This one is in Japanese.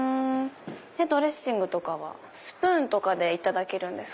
ドレッシングはスプーンとかでいただけるんですか？